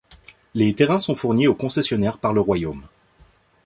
Les terrains sont fournis au concessionnaire par le Royaume.